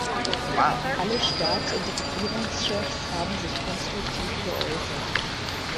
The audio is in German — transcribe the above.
Alle Staats- und Regierungschefs haben sich konstruktiv geäußert.